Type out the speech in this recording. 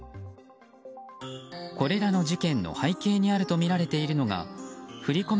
これらの事件の背景にあるとみられているのが振り込め